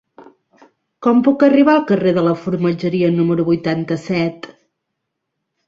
Com puc arribar al carrer de la Formatgeria número vuitanta-set?